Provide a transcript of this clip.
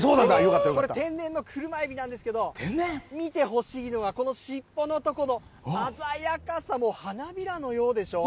これ、天然の車えびなんですけど、見てほしいのは、この尻尾のとこの鮮やかさ、もう花びらのようでしょう。